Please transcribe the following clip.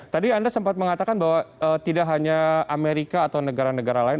tadi anda sempat mengatakan bahwa tidak hanya amerika atau negara negara lain